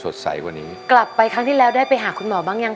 คุณยายแดงคะทำไมต้องซื้อลำโพงและเครื่องเสียง